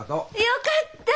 よかった！